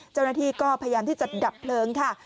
เจ้าหน้าที่ก็พยายามที่จะดับเพลิงค่ะ